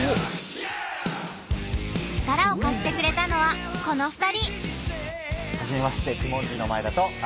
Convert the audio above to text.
力を貸してくれたのはこの２人！